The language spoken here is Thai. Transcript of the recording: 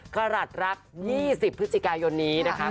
กรัฐ๒๐พฤศจิกายนนี้นะคะ